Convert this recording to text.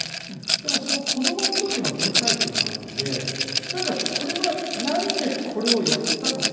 でもその子供の時の原体験もあるのでこれはなんでこれをやったのか。